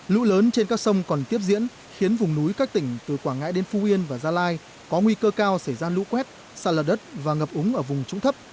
lũ lớn trên các sông còn tiếp diễn khiến vùng núi các tỉnh từ quảng ngãi đến phú yên và gia lai có nguy cơ cao xảy ra lũ quét xa lở đất và ngập úng ở vùng trũng thấp